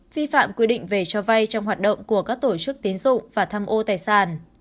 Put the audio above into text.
vi phạm quy định về cho vai trong hoạt động của các tổ chức tiến dụng và thăm ô tài sản